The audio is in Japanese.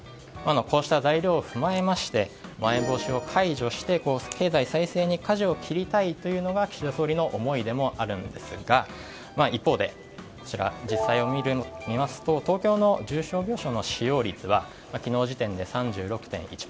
こうした材料を踏まえましてまん延防止を解除して経済再生にかじを切りたいというのが岸田総理の思いでもあるんですが一方で、実際を見ますと東京の重症病床の使用率は昨日時点で３６．１％。